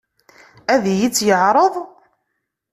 Ad iyi-tt-yeɛṛeḍ?